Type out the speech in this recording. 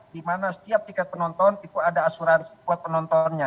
dimana setiap tiket penonton itu ada asuransi buat penontonnya